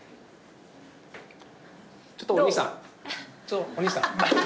ちょっとお兄さんお兄さん。